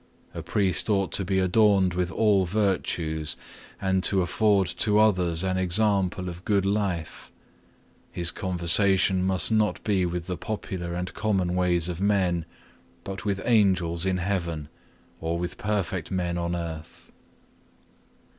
A priest ought to be adorned with all virtues and to afford to others an example of good life. His conversation must not be with the popular and common ways of men, but with Angels in Heaven or with perfect men on earth.